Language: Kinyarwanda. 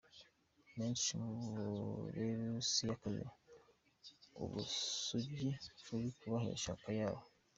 Benshi mu Barusiyakazi, ubusugi buri kubahesha akayabo.